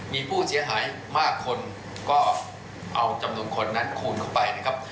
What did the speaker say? มีผู้เสียหายมากคนก็เอาจำนวนคนนั้นคูณเข้าไปนะครับ